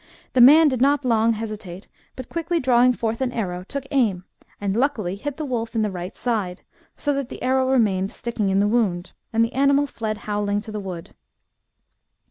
The man did not long hesitate, but quickly drawing forth an arrow, took aim, and luckily hit the wolf in the right side, so that the arrow remained sticking in the wound, and the animal fled howling to the wood.